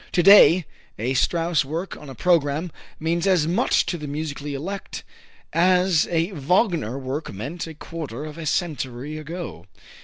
To day, a Strauss work on a program means as much to the musically elect as a Wagner work meant a quarter of a century ago.